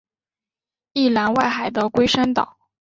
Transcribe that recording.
宜兰外海的龟山岛